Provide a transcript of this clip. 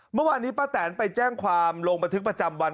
เมื่อวานนี้ป้าแตนไปแจ้งความลงบันทึกประจำวัน